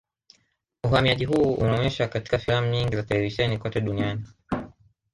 Uhamiaji huu umeoneshwa katika filamu nyingi za televisheni kote duniani